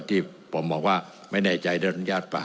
ที่ผมบอกว่าไม่ในใจได้อนุญาตป่ะ